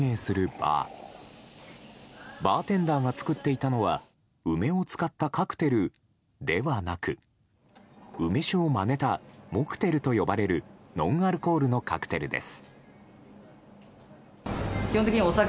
バーテンダーが作っていたのは梅を使ったカクテルではなく梅酒をまねたモクテルと呼ばれるノンアルコールのカクテルです。